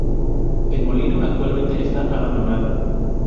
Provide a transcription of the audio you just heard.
El molino actualmente está abandonado.